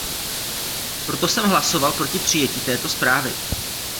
Proto jsem hlasoval proti přijetí této zprávy.